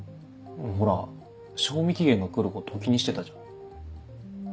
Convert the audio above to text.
ほら賞味期限がくること気にしてたじゃん。